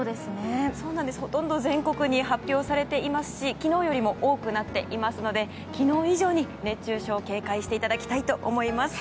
ほとんど全国に発表されていますし昨日よりも多くなっていますので昨日以上に熱中症に警戒していただきたいと思います。